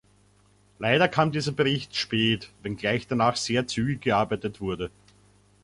Leider kam dieser Bericht spät, wenngleich danach sehr zügig gearbeitet wurde.